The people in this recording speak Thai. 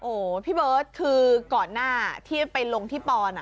โอ้โหพี่เบิร์ตคือก่อนหน้าที่ไปลงที่ปอน